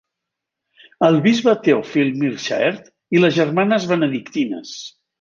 El bisbe Theophile Meerschaert i les germanes benedictines.